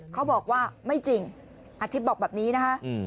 เขาบอกว่าไม่จริงอาทิตย์บอกแบบนี้นะคะ